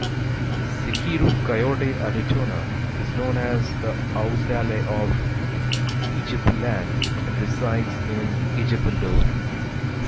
Sikiru Kayode Adetona, is known as the Awujale of Ijebuland and resides in Ijebu-Ode.